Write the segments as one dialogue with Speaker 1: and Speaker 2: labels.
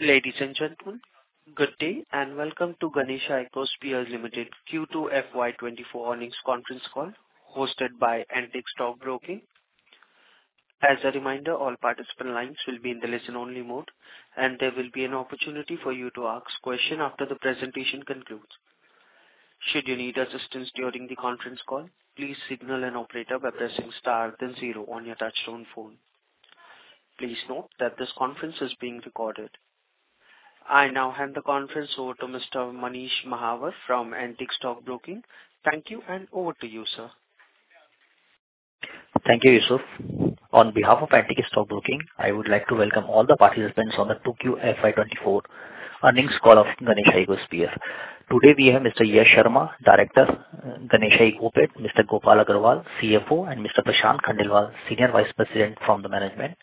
Speaker 1: Ladies and gentlemen, good day, and welcome to Ganesha Ecosphere Limited Q2 FY 2024 earnings conference call, hosted by Antique Stock Broking. As a reminder, all participant lines will be in the listen-only mode, and there will be an opportunity for you to ask question after the presentation concludes. Should you need assistance during the conference call, please signal an operator by pressing star then zero on your touchtone phone. Please note that this conference is being recorded. I now hand the conference over to Mr. Manish Mahawar from Antique Stock Broking. Thank you, and over to you, sir.
Speaker 2: Thank you, Yusuf. On behalf of Antique Stock Broking, I would like to welcome all the participants on the Q2 FY24 earnings call of Ganesha Ecosphere. Today, we have Mr. Yash Sharma, Director, Ganesha Ecosphere; Mr. Gopal Agarwal, CFO; and Mr. Prashant Khandelwal, Senior Vice President from the management.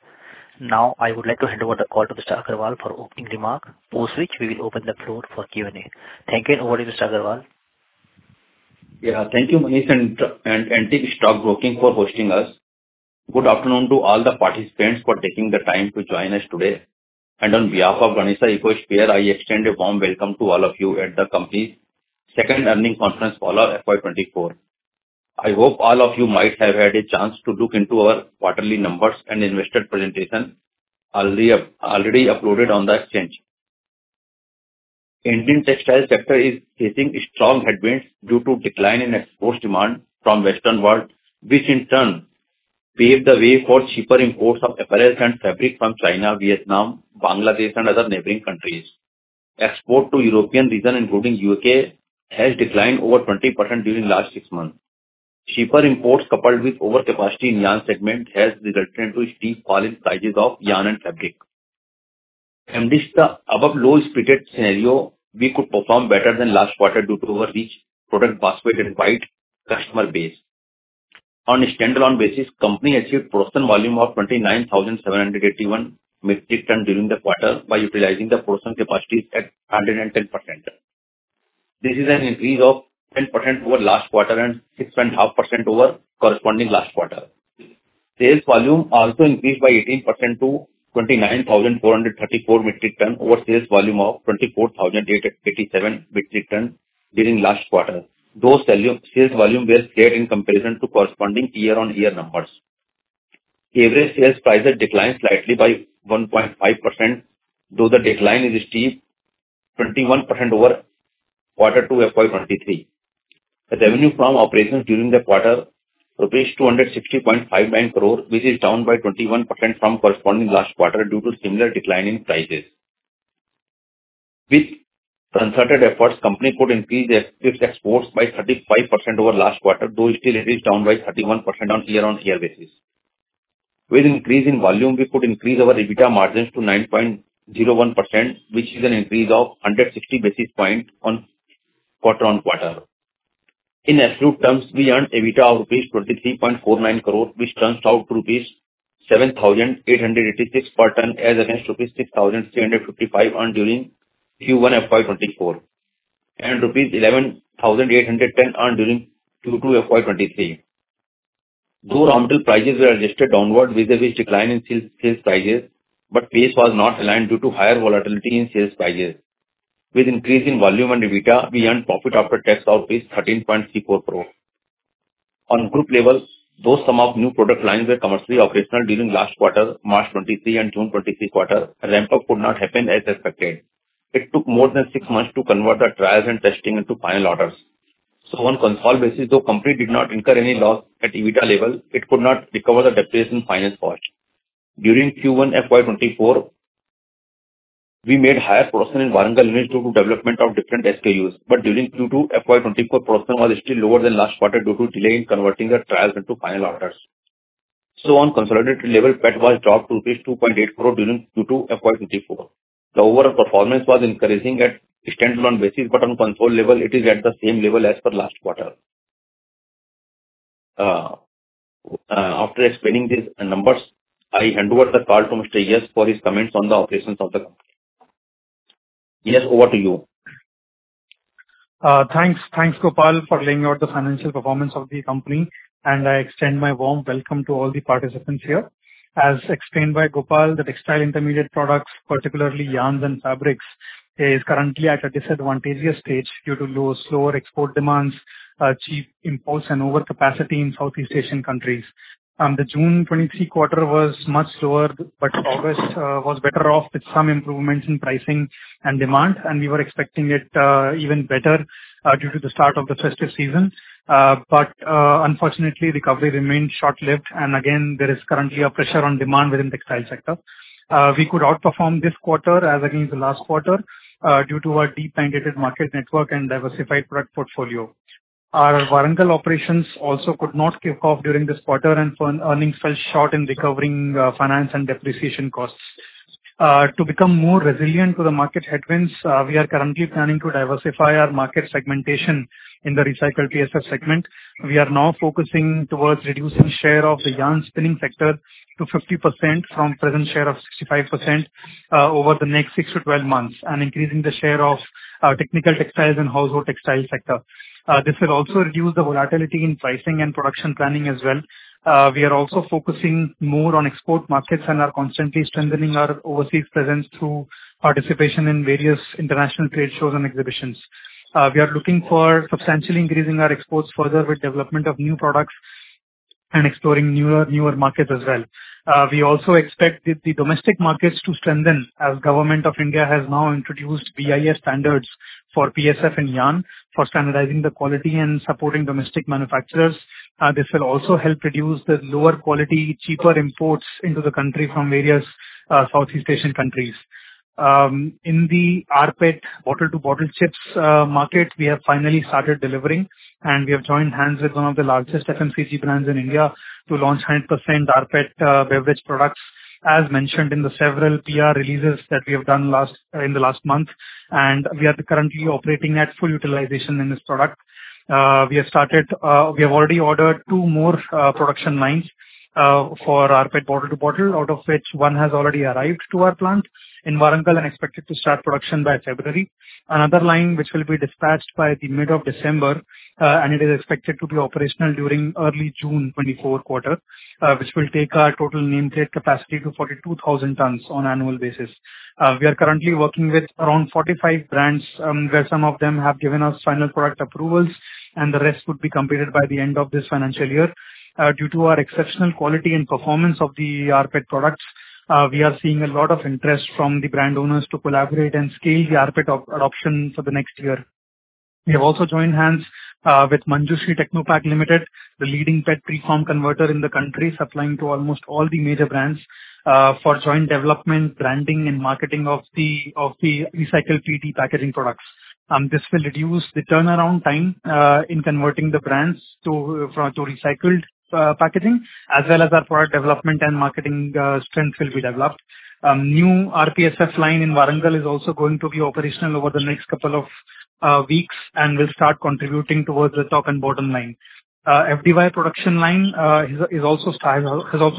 Speaker 2: Now, I would like to hand over the call to Mr. Agarwal for opening remark, post which we will open the floor for Q&A. Thank you, and over to you, Mr. Agarwal.
Speaker 3: Yeah, thank you, Manish and Antique Stock Broking for hosting us. Good afternoon to all the participants for taking the time to join us today. On behalf of Ganesha Ecosphere, I extend a warm welcome to all of you at the company's second earnings conference call of FY 2024. I hope all of you might have had a chance to look into our quarterly numbers and investor presentation already uploaded on the exchange. Indian textile sector is facing strong headwinds due to decline in export demand from Western world, which in turn pave the way for cheaper imports of apparel and fabric from China, Vietnam, Bangladesh and other neighboring countries. Export to European region, including U.K., has declined over 20% during last six months. Cheaper imports, coupled with overcapacity in yarn segment, has resulted into steep fall in prices of yarn and fabric. Amidst the above low spirited scenario, we could perform better than last quarter due to our rich product basket and wide customer base. On a standalone basis, company achieved production volume of 29,781 metric tons during the quarter by utilizing the production capacities at 110%. This is an increase of 10% over last quarter and 6.5% over corresponding last quarter. Sales volume also increased by 18% to 29,434 metric tons, over sales volume of 24,857 metric tons during last quarter. Sales volumes were similar in comparison to corresponding year-on-year numbers. Average sales prices declined slightly by 1.5%, though the decline is steep, 21% over quarter to FY23. The revenue from operations during the quarter, rupees 260.59 crore, which is down by 21% from corresponding last quarter due to similar decline in prices. With concerted efforts, company could increase its exports by 35% over last quarter, though it still is down by 31% on year-on-year basis. With increase in volume, we could increase our EBITDA margins to 9.01%, which is an increase of 160 basis points on quarter-on-quarter. In absolute terms, we earned EBITDA of rupees 23.49 crore, which turns out rupees 7,886 per ton, as against rupees 6,355 earned during Q1 FY 2024, and rupees 11,810 earned during Q2 FY 2023. Though raw material prices were adjusted downward vis-à-vis decline in sales prices, but pace was not aligned due to higher volatility in sales prices. With increase in volume and EBITDA, we earned profit after tax of 13.34 crore. On group level, though some of new product lines were commercially operational during last quarter, March 2023 and June 2023 quarter, ramp up could not happen as expected. It took more than six months to convert the trials and testing into final orders. So on consolidated basis, though company did not incur any loss at EBITDA level, it could not recover the depreciation finance cost. During Q1 FY 2024, we made higher production in Warangal unit due to development of different SKUs, but during Q2 FY 2024, production was still lower than last quarter due to delay in converting the trials into final orders. On consolidated level, PAT dropped to rupees 2.8 crore during Q2 FY 2024. The overall performance was encouraging at standalone basis, but on consolidated level, it is at the same level as per last quarter. After explaining these numbers, I hand over the call to Mr. Yash for his comments on the operations of the company. Yash, over to you.
Speaker 4: Thanks. Thanks, Gopal, for laying out the financial performance of the company, and I extend my warm welcome to all the participants here. As explained by Gopal, the textile intermediate products, particularly yarns and fabrics, is currently at a disadvantageous stage due to low, slower export demands, cheap imports and overcapacity in Southeast Asian countries. The June 2023 quarter was much slower, but August was better off, with some improvements in pricing and demand, and we were expecting it even better due to the start of the festive season. But unfortunately, recovery remained short-lived, and again, there is currently a pressure on demand within textile sector. We could outperform this quarter as against the last quarter due to our deep and wide market network and diversified product portfolio. Our Warangal operations also could not kick off during this quarter, and our earnings fell short in recovering finance and depreciation costs. To become more resilient to the market headwinds, we are currently planning to diversify our market segmentation in the recycled PSF segment. We are now focusing towards reducing share of the yarn spinning sector to 50% from present share of 65%, over the next 6-12 months, and increasing the share of technical textiles and household textiles sector. This will also reduce the volatility in pricing and production planning as well. We are also focusing more on export markets and are constantly strengthening our overseas presence through participation in various international trade shows and exhibitions. We are looking for substantially increasing our exports further with development of new products and exploring newer, newer markets as well. We also expect the domestic markets to strengthen, as the Government of India has now introduced BIS standards for PSF and yarn, for standardizing the quality and supporting domestic manufacturers. This will also help reduce the lower quality, cheaper imports into the country from various Southeast Asian countries. In the rPET bottle-to-bottle chips market, we have finally started delivering, and we have joined hands with one of the largest FMCG brands in India to launch 100% rPET beverage products, as mentioned in the several PR releases that we have done last in the last month. We are currently operating at full utilization in this product. We have started... We have already ordered two more production lines for rPET bottle-to-bottle, out of which one has already arrived to our plant in Warangal and expected to start production by February. Another line which will be dispatched by the mid of December and it is expected to be operational during early June 2024 quarter, which will take our total nameplate capacity to 42,000 tons on annual basis. We are currently working with around 45 brands, where some of them have given us final product approvals, and the rest would be completed by the end of this financial year. Due to our exceptional quality and performance of the rPET products, we are seeing a lot of interest from the brand owners to collaborate and scale the rPET adoption for the next year. We have also joined hands with Manjushree Technopack Limited, the leading PET preform converter in the country, supplying to almost all the major brands for joint development, branding, and marketing of the recycled PET packaging products. This will reduce the turnaround time in converting the brands to recycled packaging, as well as our product development and marketing strength will be developed. New rPSF line in Warangal is also going to be operational over the next couple of weeks, and will start contributing towards the top and bottom line. FDY production line has also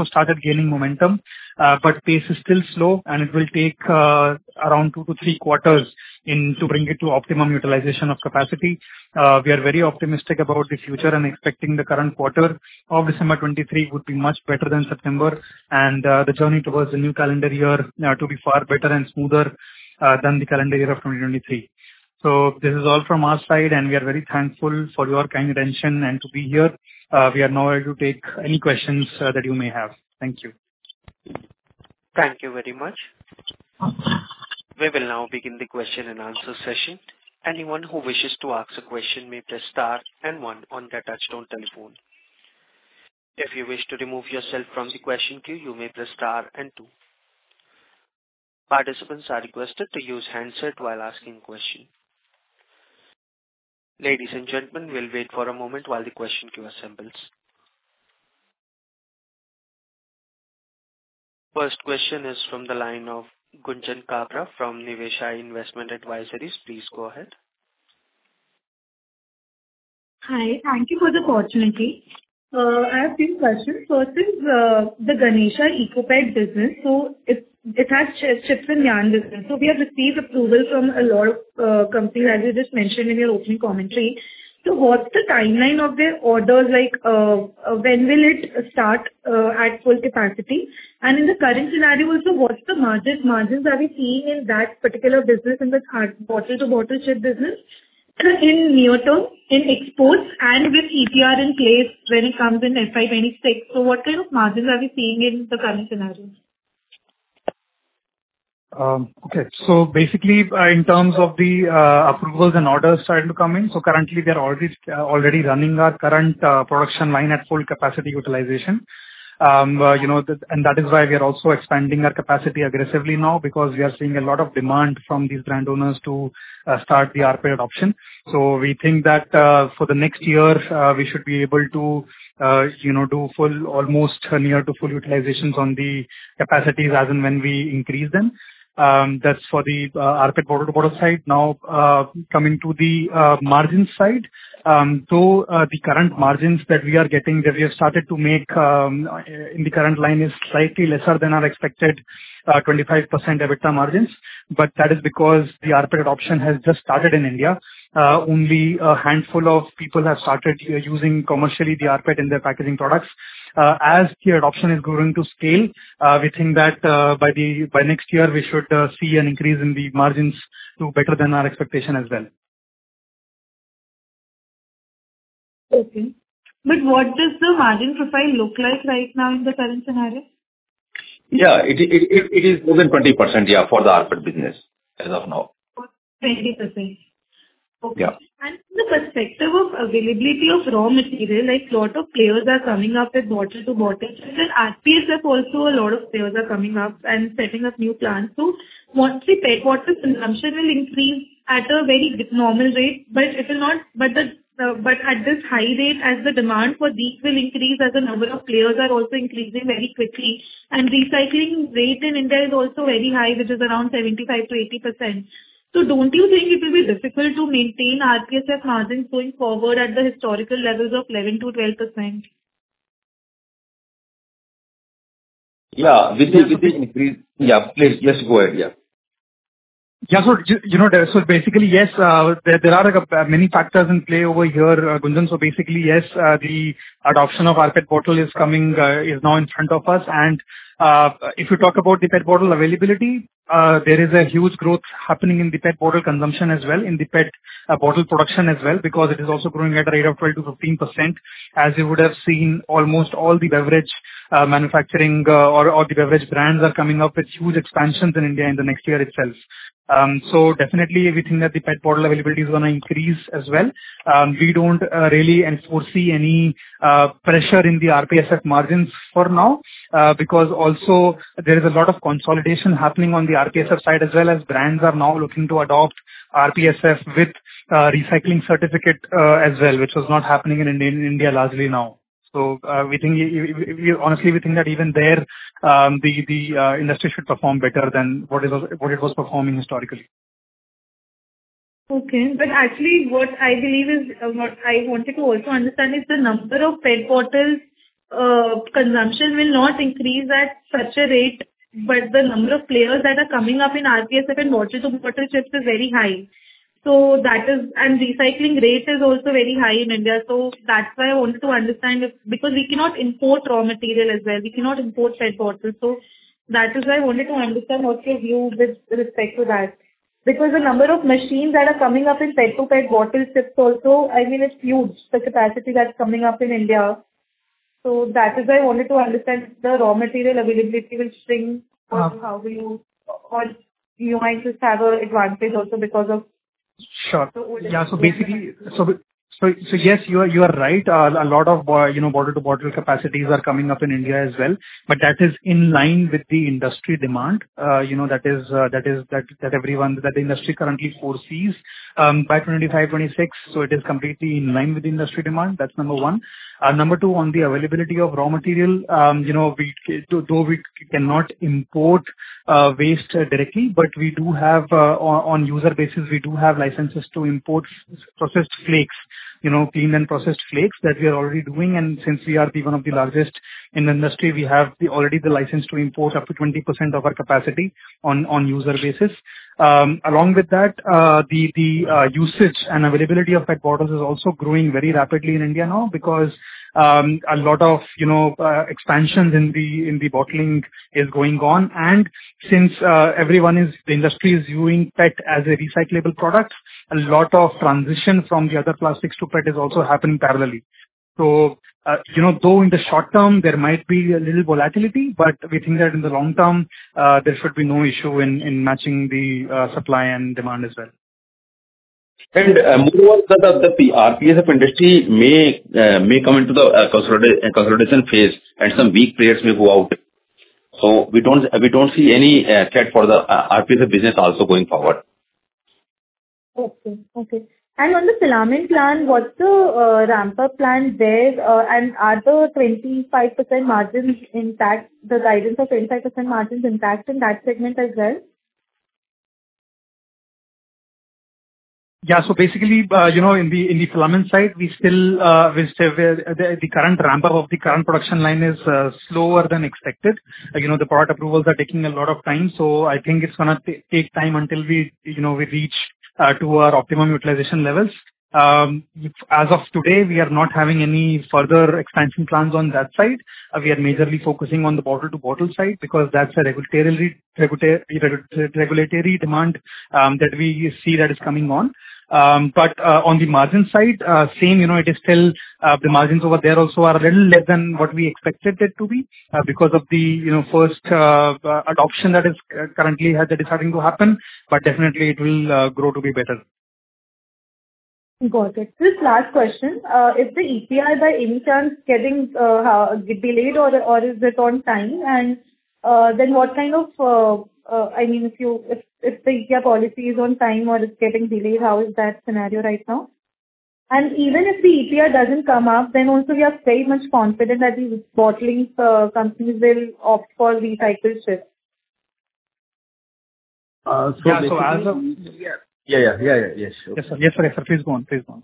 Speaker 4: started gaining momentum, but pace is still slow, and it will take around 2-3 quarters to bring it to optimum utilization of capacity. We are very optimistic about the future and expecting the current quarter of December 2023 would be much better than September, and the journey towards the new calendar year to be far better and smoother than the calendar year of 2023. So this is all from our side, and we are very thankful for your kind attention and to be here. We are now able to take any questions that you may have. Thank you.
Speaker 1: Thank you very much. We will now begin the question and answer session. Anyone who wishes to ask a question may press star and one on their touchtone telephone. If you wish to remove yourself from the question queue, you may press star and two. Participants are requested to use handset while asking question. Ladies and gentlemen, we'll wait for a moment while the question queue assembles. First question is from the line of Gunjan Kabra from Niveshaay Investment Advisories. Please go ahead.
Speaker 5: Hi. Thank you for the opportunity. I have two questions. First is, the Ganesha Ecopet business. So it, it has chips and yarn business. So we have received approval from a lot of companies, as you just mentioned in your opening commentary. So what's the timeline of their orders, like, when will it start at full capacity? And in the current scenario also, what's the margins, margins are we seeing in that particular business, in the bottle-to-bottle chip business? In near term, in exports and with EPR in place, when it comes in FY 2026, so what kind of margins are we seeing in the current scenario?
Speaker 4: Okay. So basically, in terms of the approvals and orders starting to come in, so currently we are already already running our current production line at full capacity utilization. You know, that, and that is why we are also expanding our capacity aggressively now, because we are seeing a lot of demand from these brand owners to start the rPET adoption. So we think that for the next year we should be able to you know do full, almost near to full utilizations on the capacities as and when we increase them. That's for the rPET bottle-to-bottle side. Now, coming to the margins side, so, the current margins that we are getting, that we have started to make, in the current line, is slightly lesser than our expected 25% EBITDA margins. But that is because the rPET adoption has just started in India. Only a handful of people have started using commercially the rPET in their packaging products. As the adoption is growing to scale, we think that by the, by next year, we should see an increase in the margins to better than our expectation as well.
Speaker 5: Okay. But what does the margin profile look like right now in the current scenario?
Speaker 6: Yeah, it is within 20%, yeah, for the rPET business as of now.
Speaker 5: Twenty percent?
Speaker 4: Yeah.
Speaker 5: Okay. From the perspective of availability of raw material, like, a lot of players are coming up with bottle-to-bottle, and then rPSF also, a lot of players are coming up and setting up new plants. So once the PET bottles consumption will increase at a very normal rate, but it will not... But the but at this high rate, as the demand for these will increase, as the number of players are also increasing very quickly, and recycling rate in India is also very high, which is around 75%-80%. So don't you think it will be difficult to maintain rPSF margins going forward at the historical levels of 11%-12%?...
Speaker 6: Yeah, with the, with the increase. Yeah, please, please go ahead. Yeah.
Speaker 4: Yeah, so you know, so basically, yes, there, there are many factors in play over here, Gunjan. So basically, yes, the adoption of our PET bottle is coming, is now in front of us. And, if you talk about the PET bottle availability, there is a huge growth happening in the PET bottle consumption as well, in the PET, bottle production as well, because it is also growing at a rate of 12%-15%. As you would have seen, almost all the beverage manufacturing, or the beverage brands are coming up with huge expansions in India in the next year itself. So definitely, we think that the PET bottle availability is gonna increase as well. We don't really foresee any pressure in the rPSF margins for now, because also there is a lot of consolidation happening on the rPSF side as well, as brands are now looking to adopt rPSF with recycling certificate as well, which was not happening in India largely now. So, we think we honestly, we think that even there, the industry should perform better than what it was, what it was performing historically.
Speaker 5: Okay. But actually, what I believe is... What I wanted to also understand is the number of PET bottles consumption will not increase at such a rate, but the number of players that are coming up in rPSF and Bottle-to-Bottle Chips is very high. So that is... And recycling rate is also very high in India. So that's why I wanted to understand, because we cannot import raw material as well. We cannot import PET bottles. So that is why I wanted to understand what's your view with respect to that. Because the number of machines that are coming up in PET to rPET Bottle-to-Bottle Chips also, I mean, it's huge, the capacity that's coming up in India. So that is why I wanted to understand if the raw material availability will shrink- Uh. Or how will you... Or you might just have an advantage also because of—
Speaker 4: Sure.
Speaker 5: So would it-
Speaker 4: Yeah, so basically, yes, you are right. A lot of, you know, bottle-to-bottle capacities are coming up in India as well, but that is in line with the industry demand. You know, that is that the industry currently foresees. By 2025, 2026, so it is completely in line with industry demand. That's number one. Number two, on the availability of raw material, you know, we, though we cannot import waste directly, but we do have, on user basis, we do have licenses to import processed flakes, you know, clean and processed flakes that we are already doing. Since we are one of the largest in the industry, we already have the license to import up to 20% of our capacity on user basis. Along with that, the usage and availability of PET bottles is also growing very rapidly in India now because a lot of, you know, expansions in the bottling is going on. And since the industry is viewing PET as a recyclable product, a lot of transition from the other plastics to PET is also happening parallelly. So, you know, though in the short term there might be a little volatility, but we think that in the long term, there should be no issue in matching the supply and demand as well.
Speaker 6: Moreover, the rPSF industry may come into the consolidation phase, and some weak players may go out. So we don't see any threat for the rPSF business also going forward.
Speaker 5: Okay. Okay. And on the filament plan, what's the ramp-up plan there? And are the 25% margins intact, the guidance of 25% margins intact in that segment as well?
Speaker 4: Yeah, so basically, you know, in the filament side, we still, we still, the current ramp-up of the current production line is slower than expected. You know, the product approvals are taking a lot of time. So I think it's gonna take time until we, you know, we reach to our optimum utilization levels. As of today, we are not having any further expansion plans on that side. We are majorly focusing on the bottle-to-bottle side because that's a regulatory demand that we see that is coming on. But on the margin side, same, you know, it is still the margins over there also are a little less than what we expected it to be because of the, you know, first adoption that is currently has that is starting to happen, but definitely it will grow to be better.
Speaker 5: Got it. Just last question. Is the EPR by any chance getting delayed or is it on time? And then what kind of, I mean, if you... If the EPR policy is on time or it's getting delayed, how is that scenario right now? And even if the EPR doesn't come up, then also we are very much confident that the bottling companies will opt for recycled chips.
Speaker 6: So basically-
Speaker 4: Yeah, so as of-
Speaker 6: Yeah. Yeah, yeah, yeah, yeah, yes.
Speaker 4: Yes, sir. Yes, sir. Please go on, please go on.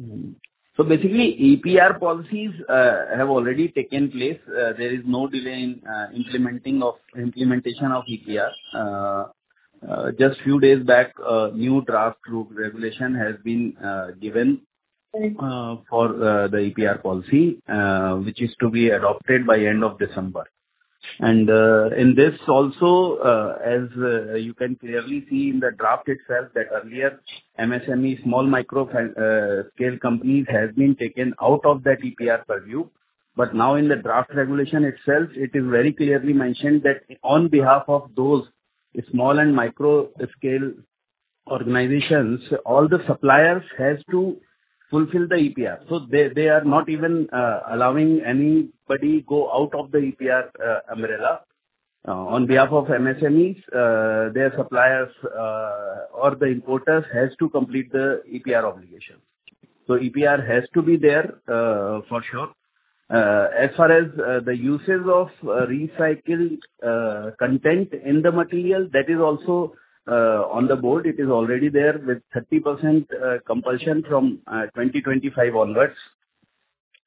Speaker 6: Mm-hmm. So basically, EPR policies have already taken place. There is no delay in implementing of, implementation of EPR. Just few days back, a new Draft Rules regulation has been given- Mm-hmm for the EPR policy, which is to be adopted by end of December. And in this also, as you can clearly see in the draft itself, that earlier MSME, small micro scale companies, has been taken out of that EPR purview. But now in the draft regulation itself, it is very clearly mentioned that on behalf of those small and micro scale organizations, all the suppliers has to fulfill the EPR. So they, they are not even allowing anybody go out of the EPR umbrella. On behalf of MSMEs, their suppliers or the importers has to complete the EPR obligation. So EPR has to be there for sure. As far as the usage of recycled content in the material, that is also on the board. It is already there with 30% compulsion from 2025 onwards.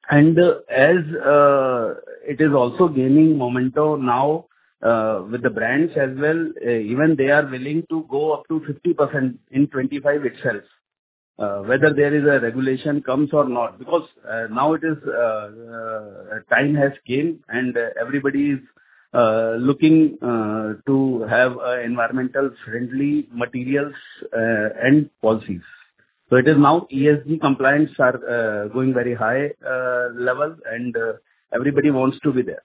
Speaker 6: And as it is also gaining momentum now with the brands as well, even they are willing to go up to 50% in 2025 itself, whether there is a regulation comes or not. Because now it is time has came, and everybody is looking to have environmentally friendly materials and policies. So it is now ESG compliance are going very high level, and everybody wants to be there.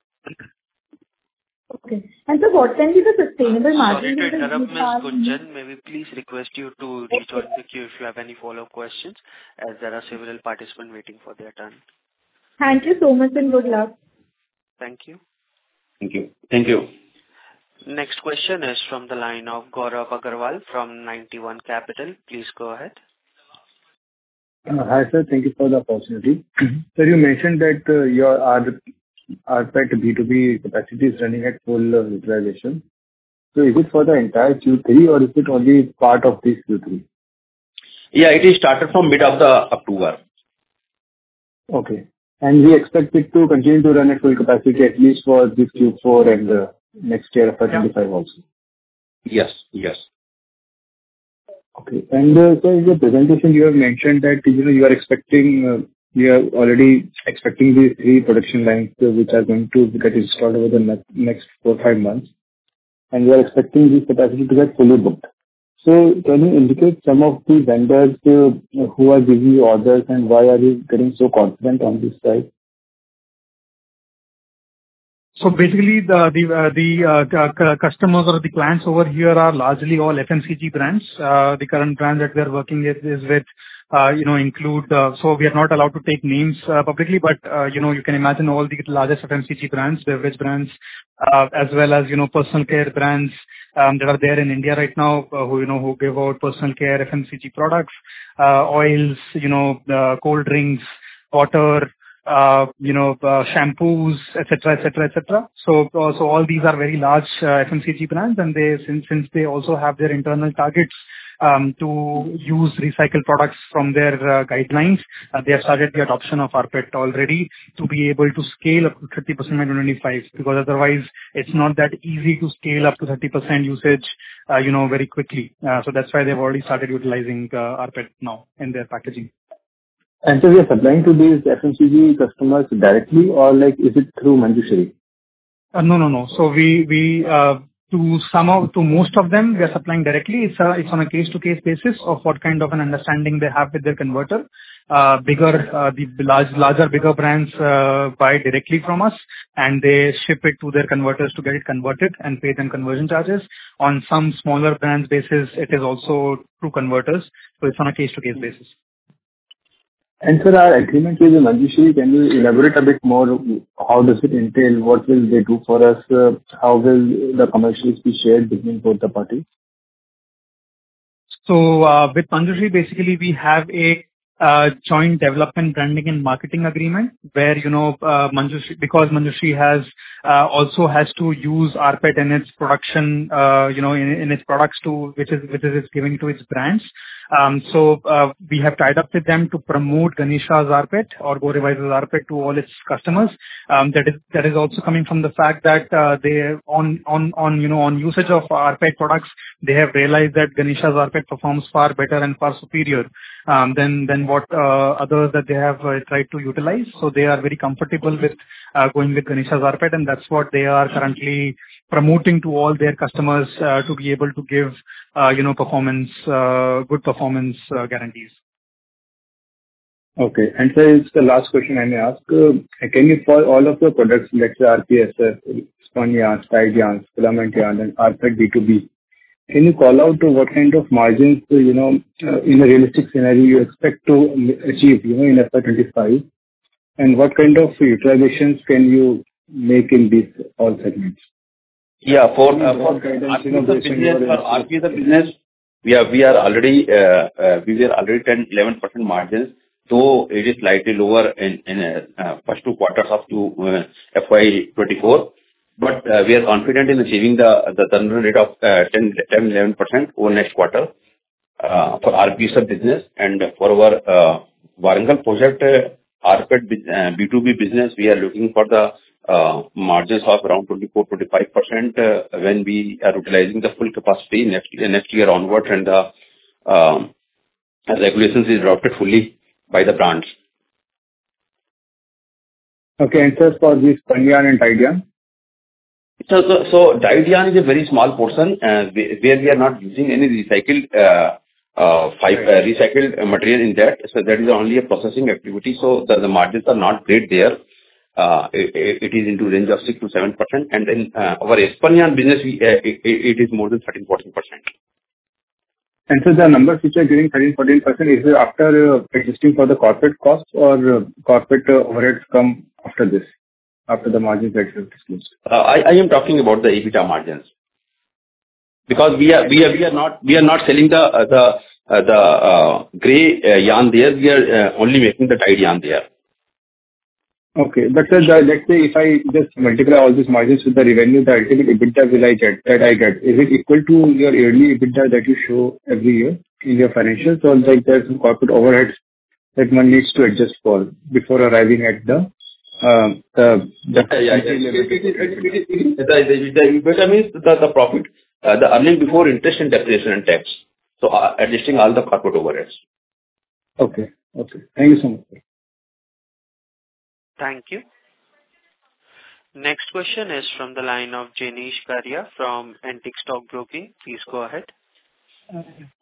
Speaker 5: Okay. And so what can be the sustainable margin-
Speaker 1: Sorry to interrupt, Ms. Gunjan. May we please request you to- Okay. Rejoin the queue if you have any follow-up questions, as there are several participants waiting for their turn.
Speaker 5: Thank you so much, and good luck.
Speaker 1: Thank you.
Speaker 6: Thank you. Thank you.
Speaker 1: Next question is from the line of Gaurav Agarwal from Nine One Capital. Please go ahead.
Speaker 7: Hi, sir. Thank you for the opportunity. So you mentioned that your RPET B2B capacity is running at full utilization. So is it for the entire Q3, or is it only part of this Q3?
Speaker 6: Yeah, it is started from mid of the October.
Speaker 7: Okay. We expect it to continue to run at full capacity, at least for this Q4 and next year of 25 also?
Speaker 6: Yes. Yes.
Speaker 7: Okay. And so in the presentation you have mentioned that, you know, you are expecting, you are already expecting these three production lines, which are going to get installed over the next four, five months, and you are expecting this capacity to get fully booked. So can you indicate some of the vendors who are giving you orders, and why are you getting so confident on this side?
Speaker 4: So basically, the customers or the clients over here are largely all FMCG brands. The current brands that we are working with is with, you know, include... So we are not allowed to take names publicly, but, you know, you can imagine all the largest FMCG brands, beverage brands, as well as, you know, personal care brands, that are there in India right now, who, you know, who give out personal care FMCG products, oils, you know, cold drinks, water, you know, shampoos, etc. So all these are very large FMCG brands, and since they also have their internal targets to use recycled products from their guidelines, they have started the adoption of rPET already, to be able to scale up to 30% by 2025. Because otherwise, it's not that easy to scale up to 30% usage, you know, very quickly. So that's why they've already started utilizing rPET now in their packaging.
Speaker 7: And so you're supplying to these FMCG customers directly, or, like, is it through Manjushree?
Speaker 4: No, no, no. So, to most of them, we are supplying directly. It's on a case-to-case basis of what kind of an understanding they have with their converter. The larger brands buy directly from us, and they ship it to their converters to get it converted and pay them conversion charges. On some smaller brands basis, it is also through converters, so it's on a case-to-case basis.
Speaker 7: Sir, our agreement with Manjushree, can you elaborate a bit more, how does it entail? What will they do for us? How will the commercials be shared between both the parties?
Speaker 4: So, with Manjushree, basically, we have a joint development, branding, and marketing agreement, where, you know, Manjushree—because Manjushree also has to use RPET in its production, you know, in its products too, which it is giving to its brands. So, we have tied up with them to promote Ganesha's RPET or Go Rewise's RPET to all its customers. That is also coming from the fact that they, on usage of RPET products, have realized that Ganesha's RPET performs far better and far superior than what others that they have tried to utilize. So they are very comfortable with going with Ganesha's rPET, and that's what they are currently promoting to all their customers, to be able to give, you know, performance, good performance, guarantees.
Speaker 7: Okay. And sir, it's the last question I may ask. Can you for all of your products, let's say, RPS, spun yarn, dyed yarn, filament yarn, and RPET B2B, call out what kind of margins, you know, in a realistic scenario, you expect to achieve, you know, in FY 25? And what kind of utilizations can you make in these all segments?
Speaker 6: Yeah, for rPET business or rPET business, we are already 10-11% margins, so it is slightly lower in first two quarters of FY 2024. But we are confident in achieving the turnover rate of 10-11% over next quarter for rPET business. And for our Varanasi project, rPET B2B business, we are looking for the margins of around 24%-25% when we are utilizing the full capacity next year, next year onward, and as regulations is adopted fully by the brands.
Speaker 7: Okay, and just for the spun yarn and dyed yarn.
Speaker 6: So, dyed yarn is a very small portion where we are not using any recycled material in that. So that is only a processing activity, so the margins are not great there. It is in the range of 6%-7%. And then, our spun yarn business, it is more than 13%-14%.
Speaker 7: So the numbers which are giving 13%-14%, is it after adjusting for the corporate costs or corporate overheads come after this, after the margin that you have discussed?
Speaker 6: I am talking about the EBITDA margins. Because we are not selling the gray yarn there. We are only making the dyed yarn there. ...
Speaker 7: Okay, but, let's say if I just multiply all these margins with the revenue, the ultimate EBITDA will I get, that I get, is it equal to your yearly EBITDA that you show every year in your financials, or there's some corporate overheads that one needs to adjust for before arriving at the, the-
Speaker 6: Yeah, yeah. The EBITDA means the profit, the earning before interest and depreciation and tax, so adjusting all the corporate overheads.
Speaker 7: Okay. Okay. Thank you so much.
Speaker 1: Thank you. Next question is from the line of Jenish Karia from Antique Stock Broking. Please go ahead.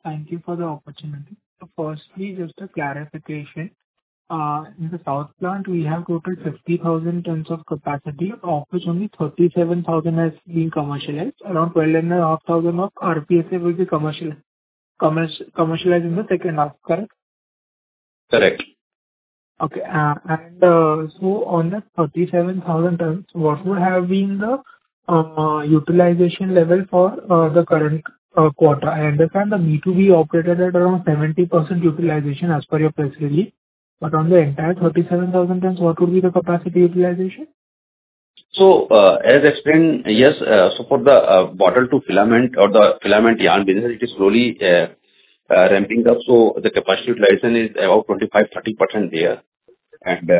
Speaker 8: Thank you for the opportunity. So firstly, just a clarification. In the south plant, we have total 50,000 tons of capacity, of which only 37,000 has been commercialized. Around 12,500 of rPSF will be commercialized in the second half, correct?
Speaker 6: Correct.
Speaker 8: Okay, and so on the 37,000 tons, what would have been the utilization level for the current quarter? I understand the B2B operated at around 70% utilization as per your press release, but on the entire 37,000 tons, what would be the capaci ty utilization?
Speaker 6: So, as explained, yes, so for the bottle to filament or the filament yarn business, it is slowly ramping up, so the capacity utilization is about 25%-30% there. And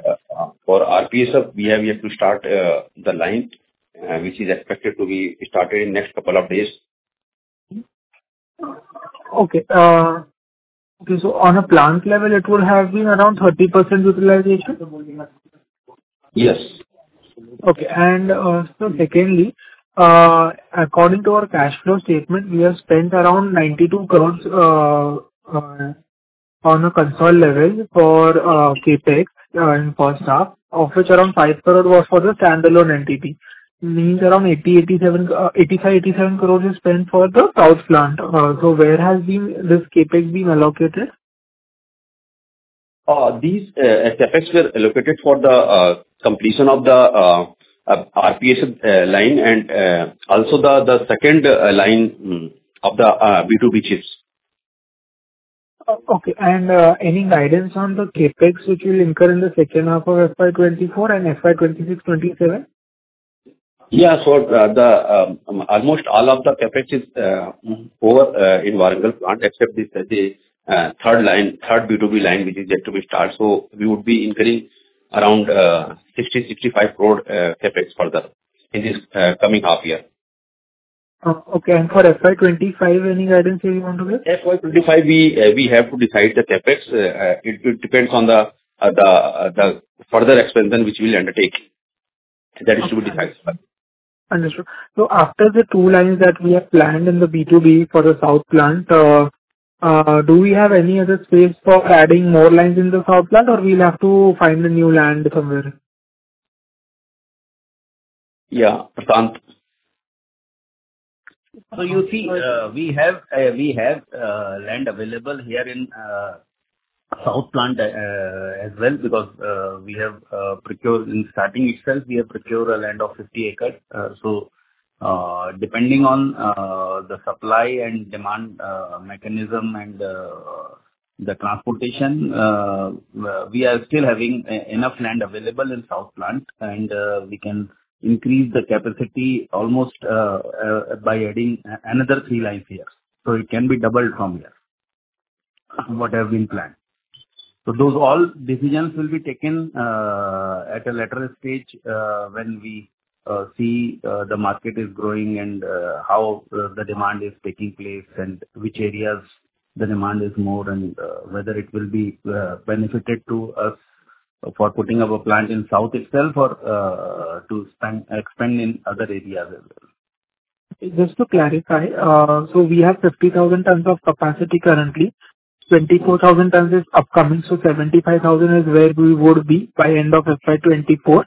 Speaker 6: for rPSF, we have yet to start the line, which is expected to be started in next couple of days.
Speaker 8: Okay, so on a plant level, it will have been around 30% utilization?
Speaker 6: Yes.
Speaker 8: So secondly, according to our cash flow statement, we have spent around 92 crore on a consolidated level for CapEx and for staff, of which around 5 crore was for the standalone entity. Means around 87 crore is spent for the south plant. So where has this CapEx been allocated?
Speaker 6: These CapEx were allocated for the completion of the rPSF line, and also the second line of the B2B chips.
Speaker 8: Okay, and any guidance on the CapEx which you'll incur in the second half of FY 2024 and FY 2026, 2027?
Speaker 6: Yeah. So almost all of the CapEx is for the Warangal plant, except the third line, third B2B line, which is yet to be start. So we would be incurring around 60-65 crore CapEx further in this coming half year.
Speaker 8: Okay, and for FY 2025, any guidance you want to give?
Speaker 6: FY25, we have to decide the CapEx. It depends on the further expansion which we'll undertake. That is to be decided.
Speaker 8: Understood. So after the two lines that we have planned in the B2B for the south plant, do we have any other space for adding more lines in the south plant, or we'll have to find a new land somewhere?
Speaker 6: Yeah. So you see, we have land available here in south plant as well, because we have procured, in starting itself, we have procured a land of 50 acres. So, depending on the supply and demand mechanism and the transportation, we are still having enough land available in south plant, and we can increase the capacity almost by adding another 3 lines here. So it can be doubled from here, what have been planned. Those all decisions will be taken at a later stage, when we see the market is growing and how the demand is taking place, and which areas the demand is more, and whether it will be benefited to us for putting up a plant in south itself or to expand in other areas as well.
Speaker 8: Just to clarify, so we have 50,000 tons of capacity currently. 24,000 tons is upcoming, so 75,000 is where we would be by end of FY 2024.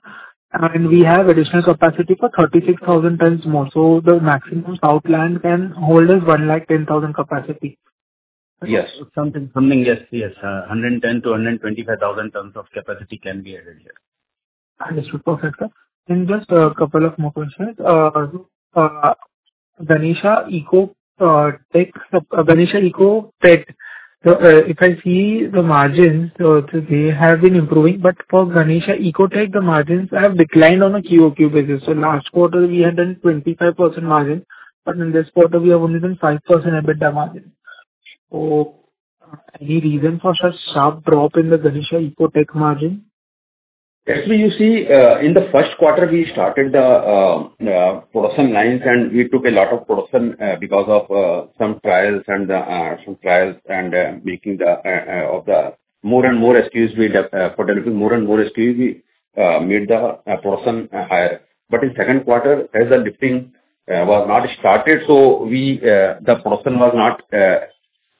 Speaker 8: We have additional capacity for 36,000 tons more, so the maximum south plant can hold is 110,000 capacity.
Speaker 6: Yes.
Speaker 8: Something.
Speaker 6: 110,000-125,000 tons of capacity can be added here.
Speaker 8: Understood. Perfect, sir. And just a couple of more questions. Ganesha Ecotech, Ganesha Ecopet, if I see the margins, they have been improving, but for Ganesha Ecotech, the margins have declined on a QOQ basis. So last quarter, we had done 25% margin, but in this quarter, we have only done 5% EBITDA margin. So any reason for such sharp drop in the Ganesha Ecotech margin?
Speaker 6: Actually, you see, in the first quarter, we started the production lines, and we took a lot of production because of some trials and some trials and making the of the more and more SKUs we have for delivering more and more SKU, we made the production higher. But in second quarter, as the lifting was not started, so the production was not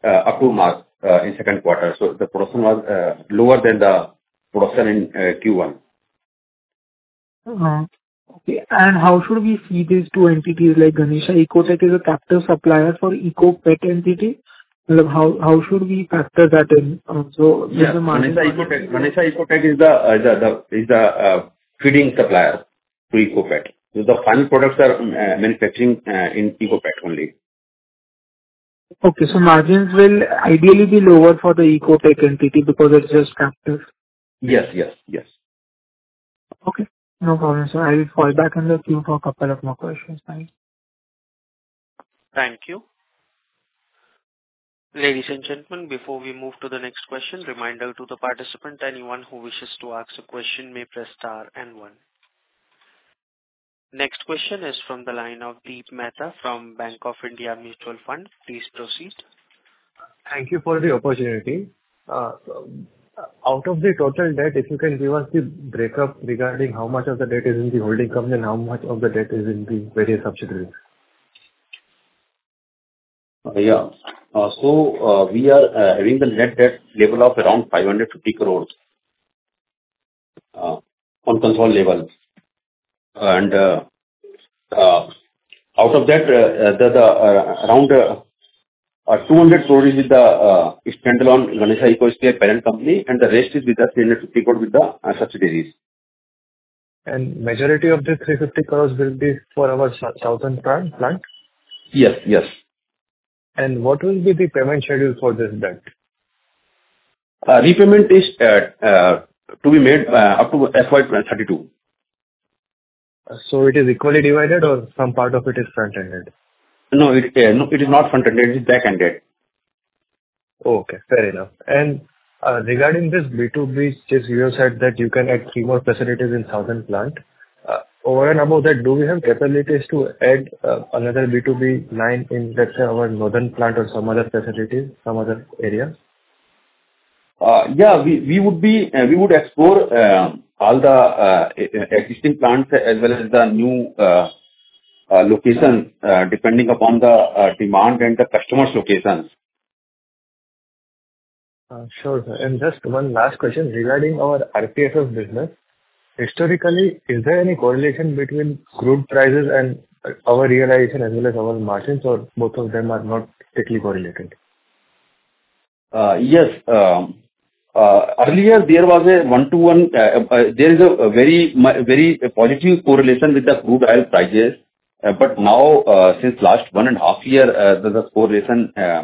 Speaker 6: up to mark in second quarter. So the production was lower than the production in Q1.
Speaker 8: Okay. And how should we see these two entities, like Ganesha Ecotech is a captive supplier for Ecopet entity? Like, how should we factor that in, so the margin-
Speaker 6: Yeah, Ganesha Ecotech is the feeding supplier to Ecopet. So the final products are manufacturing in Ecopet only. ...
Speaker 8: Okay, so margins will ideally be lower for the Ecotech entity because it's just captive?
Speaker 6: Yes, yes, yes.
Speaker 8: Okay, no problem, sir. I will fall back in the queue for a couple of more questions. Bye.
Speaker 1: Thank you. Ladies and gentlemen, before we move to the next question, reminder to the participant, anyone who wishes to ask a question may press star and one. Next question is from the line of Deep Mehta from Bank of India Mutual Fund. Please proceed.
Speaker 9: Thank you for the opportunity. So, out of the total debt, if you can give us the breakup regarding how much of the debt is in the holding company, and how much of the debt is in the various subsidiaries?
Speaker 6: Yeah. So, we are having the net debt level of around 550 crore on consolidated level. Out of that, around INR 200 crore is spent on Ganesha Ecotech parent company, and the rest is with the subsidiaries.
Speaker 9: Majority of the 350 crore will be for ourSouth plant, plants?
Speaker 6: Yes, yes.
Speaker 9: What will be the payment schedule for this debt?
Speaker 6: Repayment is to be made up to FY2032.
Speaker 9: It is equally divided, or some part of it is front-ended?
Speaker 6: No, it, no, it is not front-ended, it is back-ended.
Speaker 9: Okay, fair enough. And, regarding this B2B, which you have said that you can add 3 more facilities in Telangana plant. Over and above that, do we have capabilities to add, another B2B line in, let's say, our northern plant or some other facility, some other area?
Speaker 6: Yeah, we would explore all the existing plants as well as the new location, depending upon the demand and the customers' locations.
Speaker 9: Sure, sir. And just one last question regarding our rPSF business. Historically, is there any correlation between crude prices and our realization, as well as our margins, or both of them are not strictly correlated?
Speaker 6: Yes. Earlier there was a one-to-one, there is a very positive correlation with the crude oil prices. But now, since last one and half year, the correlation has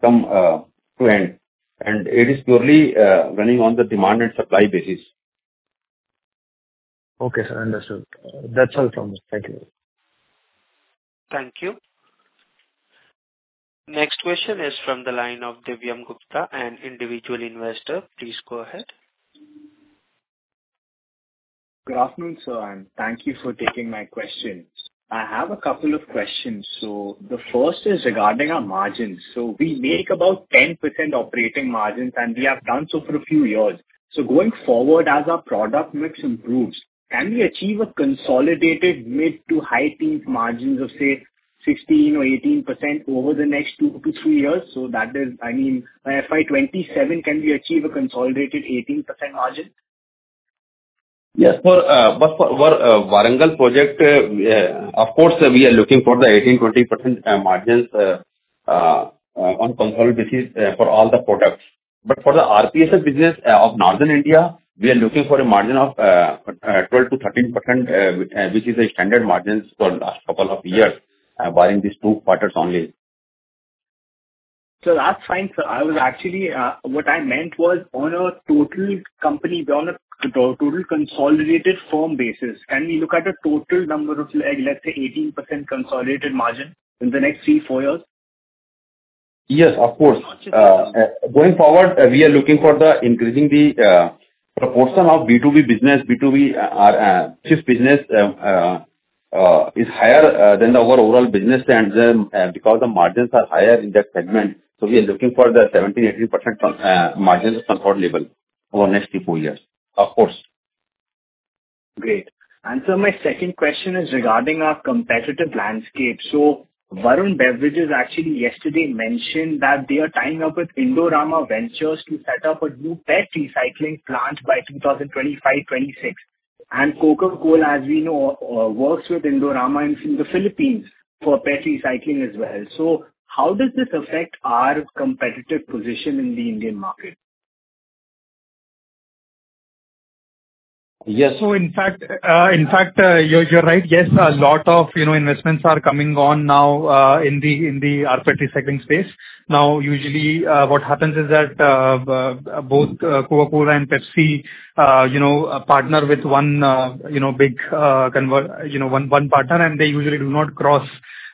Speaker 6: come to end, and it is purely running on the demand and supply basis.
Speaker 9: Okay, sir, understood. That's all from me. Thank you.
Speaker 1: Thank you. Next question is from the line of Divyam Gupta, an individual investor. Please go ahead.
Speaker 10: Good afternoon, sir, and thank you for taking my question. I have a couple of questions. So the first is regarding our margins. So we make about 10% operating margins, and we have done so for a few years. So going forward, as our product mix improves, can we achieve a consolidated mid- to high-teens margins of, say, 16% or 18% over the next 2-3 years? So that is, I mean, by FY 2027, can we achieve a consolidated 18% margin?
Speaker 6: Yes. So, but for our Warangal project, we, of course, we are looking for the 18-20% margins on consolidated basis for all the products. But for the rPSF business of Northern India, we are looking for a margin of 12%-13%, which is a standard margins for last couple of years, barring these two quarters only.
Speaker 10: So that's fine, sir. I was actually... What I meant was on a total company, on a total consolidated firm basis, can we look at a total number of, like, let's say, 18% consolidated margin in the next 3, 4 years?
Speaker 6: Yes, of course.
Speaker 10: Gotcha.
Speaker 6: Going forward, we are looking for increasing the proportion of B2B business. B2B, our chief business, is higher than the overall business trends because the margins are higher in that segment. So we are looking for the 17%-18% margins control level over the next 2-4 years. Of course.
Speaker 10: Great. And so my second question is regarding our competitive landscape. So Varun Beverages actually yesterday mentioned that they are tying up with Indorama Ventures to set up a new PET recycling plant by 2025-26. And Coca-Cola, as we know, works with Indorama in the Philippines for PET recycling as well. So how does this affect our competitive position in the Indian market?
Speaker 6: Yes-
Speaker 4: So in fact, you're right. Yes, a lot of, you know, investments are coming on now in the rPET recycling space. Now, usually, what happens is that both Coca-Cola and Pepsi, you know, partner with one, you know, big converter. You know, one partner, and they usually do not cross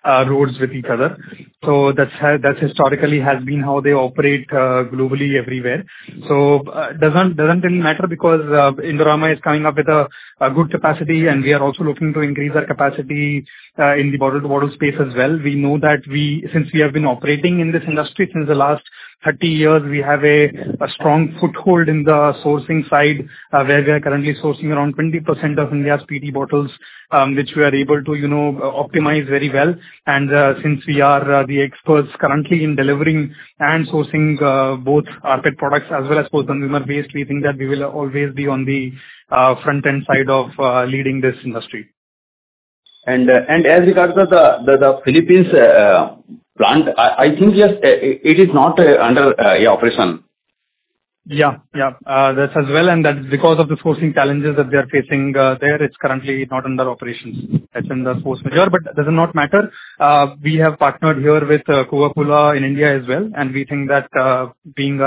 Speaker 4: roads with each other. So that's how that historically has been how they operate globally, everywhere. So it doesn't really matter, because Indorama is coming up with a good capacity, and we are also looking to increase our capacity in the bottle-to-bottle space as well. We know that we, since we have been operating in this industry since the last 30 years, we have a, a strong foothold in the sourcing side, where we are currently sourcing around 20% of India's PET bottles, which we are able to, you know, optimize very well. And, since we are, the experts currently in delivering and sourcing, both rPET products as well as post-consumer waste, we think that we will always be on the, front-end side of, leading this industry.
Speaker 6: As regards to the Philippines plant, I think it is not under operation yet....
Speaker 4: Yeah, yeah, that's as well, and that's because of the sourcing challenges that they are facing there. It's currently not under operations. That's in the force majeure, but it does not matter. We have partnered here with Coca-Cola in India as well, and we think that, being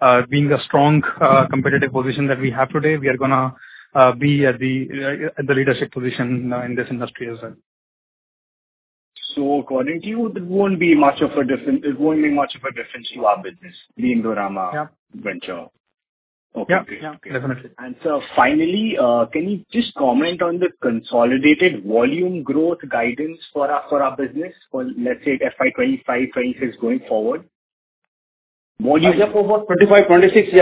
Speaker 4: a strong competitive position that we have today, we are gonna be at the leadership position in this industry as well.
Speaker 10: So according to you, there won't be much of a difference, there won't be much of a difference to our business-
Speaker 4: Yeah.
Speaker 10: The Indorama-
Speaker 4: Yeah.
Speaker 10: Venture.
Speaker 4: Yeah, yeah.
Speaker 10: Okay.
Speaker 4: Definitely.
Speaker 10: Sir, finally, can you just comment on the consolidated volume growth guidance for our, for our business for, let's say, FY 2025, 2026 going forward?
Speaker 6: Volume for about 25, 26,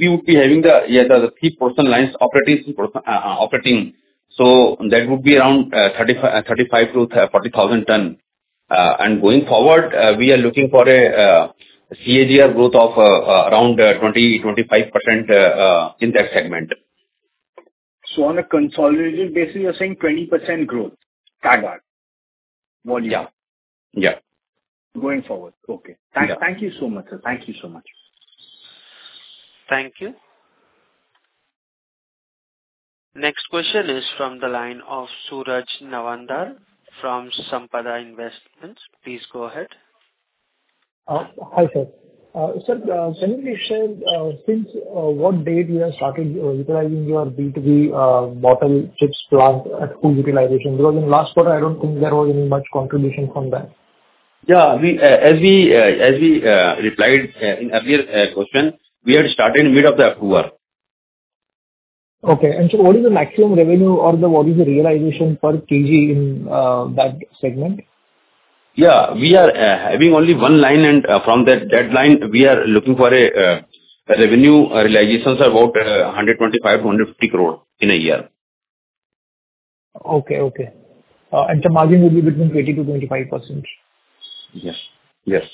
Speaker 6: we would be having the 3% lines operating per operating, so that would be around 35,000-40,000 tons. And going forward, we are looking for a CAGR growth of around 20%-25% in that segment.
Speaker 10: On a consolidated basis, you're saying 20% growth, CAGR, volume?
Speaker 6: Yeah. Yeah.
Speaker 10: Going forward. Okay.
Speaker 6: Yeah.
Speaker 10: Thank you so much, sir. Thank you so much.
Speaker 1: Thank you. Next question is from the line of Suraj Nawandar from Sampada Investments. Please go ahead.
Speaker 11: Hi, sir. Sir, can you share since what date you have started utilizing your B2B bottle chips plant at full utilization? Because in last quarter, I don't think there was any much contribution from that.
Speaker 6: Yeah, as we replied in earlier question, we had started mid of the October.
Speaker 11: Okay. And so what is the maximum revenue or the, what is the realization per kg in, that segment?
Speaker 6: Yeah, we are having only one line and from that line, we are looking for a revenue realizations about 125 crore-150 crore in a year.
Speaker 11: Okay, okay. The margin will be between 20%-25%?
Speaker 6: Yes. Yes.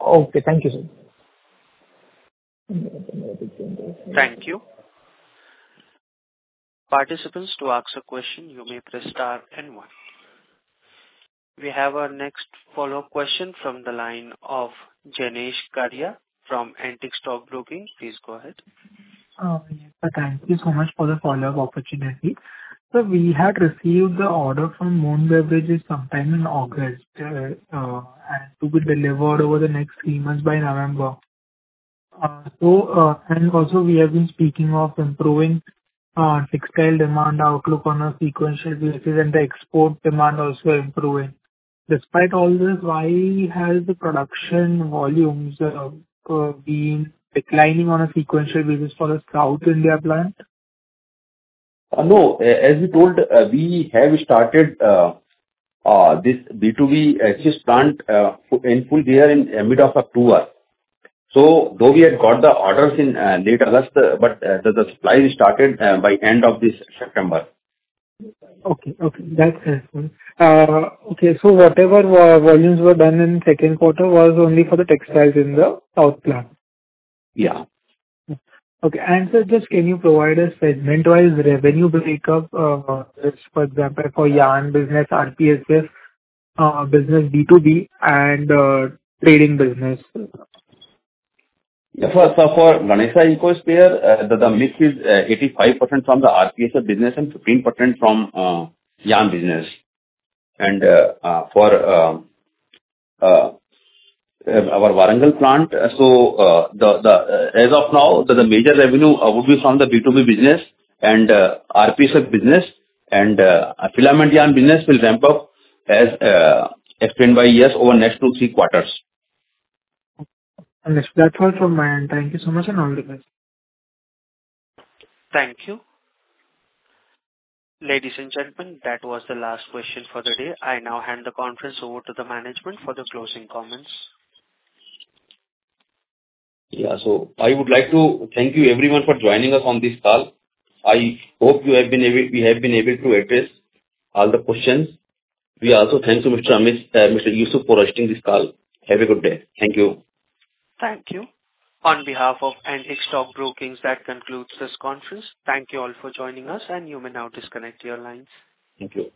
Speaker 11: Okay. Thank you, sir.
Speaker 1: Thank you. Participants, to ask a question, you may press star and one. We have our next follow-up question from the line of Jenish Karia from Antique Stock Broking. Please go ahead.
Speaker 8: Sir, thank you so much for the follow-up opportunity. So we had received the order from Moon Beverages sometime in August, and to be delivered over the next three months by November. And also, we have been speaking of improving textile demand outlook on a sequential basis and the export demand also improving. Despite all this, why has the production volumes been declining on a sequential basis for the South India plant?
Speaker 6: No, as we told, we have started this B2B existing plant in full there in mid-October. So though we had got the orders in late August, but the supply started by end of this September.
Speaker 8: Okay, okay. That's fine. Okay, so whatever volumes were done in second quarter was only for the textiles in the south plant?
Speaker 6: Yeah.
Speaker 8: Okay. Just, can you provide a segment-wise revenue breakup, just for example, for yarn business, rPSF business, B2B and trading business?
Speaker 6: Yeah. So, for Ganesha Ecosphere, the mix is 85% from the rPSF business and 15% from yarn business. And, for our Warangal plant, so, as of now, the major revenue would be from the B2B business and rPSF business. And, our filament yarn business will ramp up as explained earlier over next two, three quarters.
Speaker 8: Understood. That's all from my end. Thank you so much, and all the best.
Speaker 1: Thank you. Ladies and gentlemen, that was the last question for the day. I now hand the conference over to the management for the closing comments.
Speaker 6: Yeah, so I would like to thank you everyone for joining us on this call. I hope you have been able, we have been able to address all the questions. We also thank you, Mr. Amit, Mr. Yusuf, for hosting this call. Have a good day. Thank you.
Speaker 8: Thank you.
Speaker 1: On behalf of Antique Stock Broking, that concludes this conference. Thank you all for joining us, and you may now disconnect your lines.
Speaker 6: Thank you.